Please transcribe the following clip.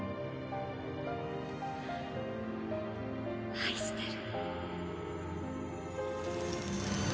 愛してる。